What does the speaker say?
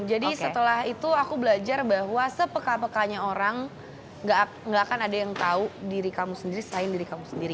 jadi setelah itu aku belajar bahwa sepeka pekanya orang gak akan ada yang tau diri kamu sendiri selain diri kamu sendiri